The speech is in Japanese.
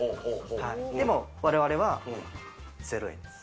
でも我々は０円です。